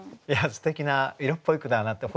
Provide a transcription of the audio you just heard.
すてきな色っぽい句だなって。